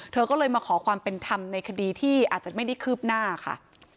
เธอก็เลยมาขอความเป็นธรรมในคดีที่อาจจะไม่ได้คืบหน้าค่ะ